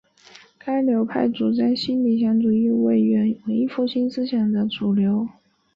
该流派主张新理想主义为文艺思想的主流。